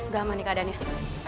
gak aman nih keadaannya